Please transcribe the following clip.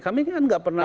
kami kan nggak pernah